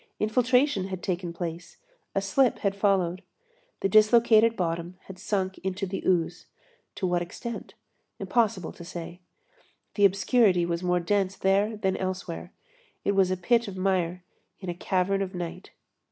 Infiltration had taken place, a slip had followed. The dislocated bottom had sunk into the ooze. To what extent? Impossible to say. The obscurity was more dense there than elsewhere. It was a pit of mire in a cavern of night.